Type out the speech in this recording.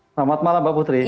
selamat malam mbak putri